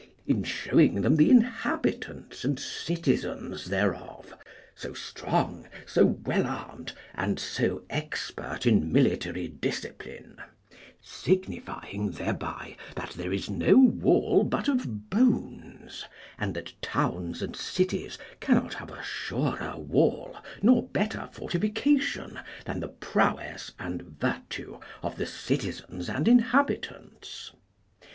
in showing them the inhabitants and citizens thereof, so strong, so well armed, and so expert in military discipline; signifying thereby that there is no wall but of bones, and that towns and cities cannot have a surer wall nor better fortification than the prowess and virtue of the citizens and inhabitants.